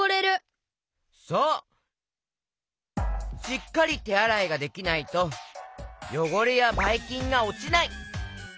しっかりてあらいができないとよごれやバイキンがおちない！